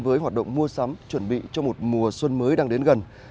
với hoạt động mua sắm chuẩn bị cho một mùa xuân mới đang đến gần